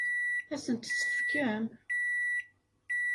Ad asent-t-tefkem?